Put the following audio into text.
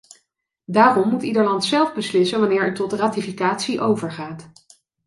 Daarom moet ieder land zelf beslissen wanneer het tot ratificatie overgaat.